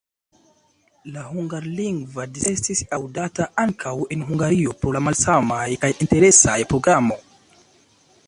La hungarlingva dissendo estis aŭdata ankaŭ en Hungario pro la malsamaj kaj interesaj programoj.